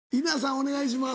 お願いします。